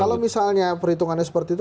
kalau misalnya perhitungannya seperti itu